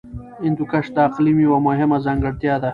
هندوکش د اقلیم یوه مهمه ځانګړتیا ده.